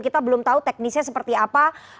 kita belum tahu teknisnya seperti apa